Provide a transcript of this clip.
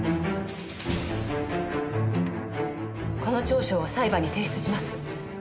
この調書を裁判に提出します。